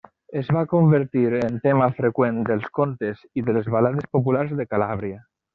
Es va convertir en tema freqüent dels contes i de les balades populars de Calàbria.